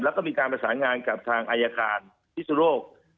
แล้วก็มีการประสานงานกับทางอายการพิสุโรค